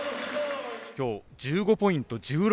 きょう、１５ポイント１６